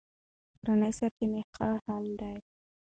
کورني سرچینې ښه حل دي.